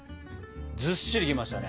ずっしりきましたね。